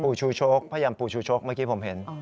ผู้ชูชกพ่ายยานผู้ชูชกเมื่อกี้ผมเห็น